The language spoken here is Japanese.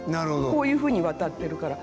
こういうふうに渡ってるから。